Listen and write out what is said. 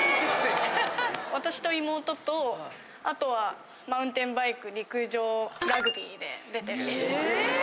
私と妹とあとはマウンテンバイク陸上ラグビーで出てる。